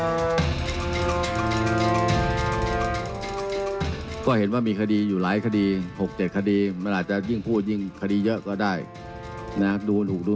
มคุณภาษาอังกฤษภาษาอังกฤษภาษาอังกฤษ